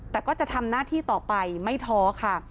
แต่ก็จะทำหน้าที่ต่อไปไม่ท้อค่ะ